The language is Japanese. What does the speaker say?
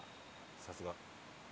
さすが。